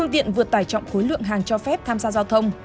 tiện vượt tài trọng khối lượng hàng cho phép tham gia giao thông